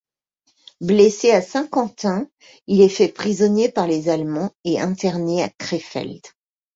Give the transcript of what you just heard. Blessé à Saint-Quentin, il est fait prisonnier par les Allemands et interné à Crefeld.